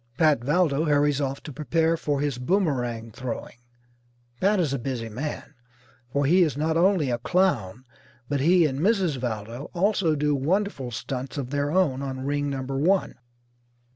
Pat Valdo hurries off to prepare for his boomerang throwing. Pat is a busy man, for he is not only a clown, but he and Mrs. Valdo also do wonderful stunts of their own on Ring Number One.